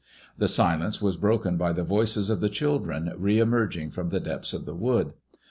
The silence was broken by the voices of the children re emerging firom the depths of the wood.